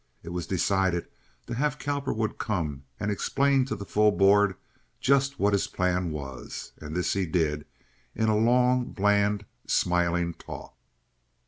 It was decided to have Cowperwood come and explain to the full board just what his plan was, and this he did in a long, bland, smiling talk.